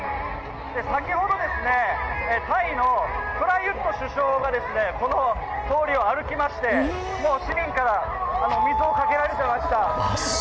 先ほどタイのプラユット首相がこの通りを歩きまして市民から水をかけられていました。